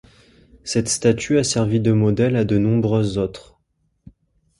Cette statue a servi de modèle à de nombreuses autres.